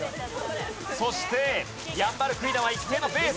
そしてヤンバルクイナは一定のペース。